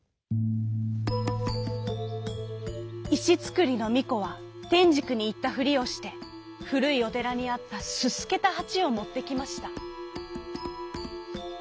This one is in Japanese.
いしつくりのみこはてんじくにいったふりをしてふるいおてらにあったすすけたはちをもってきました。